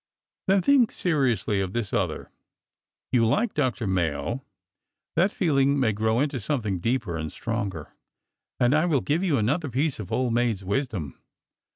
" Then think seriously of this other. You like Dr. Mayo. That feeling may grow into something deeper and stronger. And I will give you another piece of old maid's wisdom.